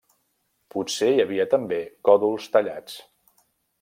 Potser hi havia també còdols tallats.